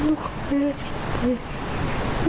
ลูกของแม่อีกไป